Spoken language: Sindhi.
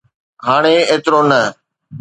هاڻي ايترو نه.